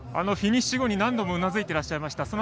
フィニッシュ後に何度もうなずいていらっしゃいました。